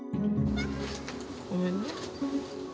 ごめんね。